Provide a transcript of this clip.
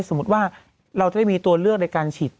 สมมุติว่าเราจะไม่มีตัวเลือกในการฉีด